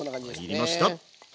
入りました！